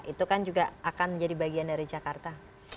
itu kan juga akan menjadi bagian dari jakarta